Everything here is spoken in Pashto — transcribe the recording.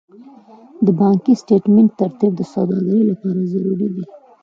د بانکي سټېټمنټ ترتیب د سوداګرۍ لپاره ضروري دی.